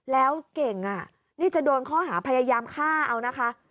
แล้วเก่งนี่จะโดนข้อหาพยายามฆ่าเอานะคะ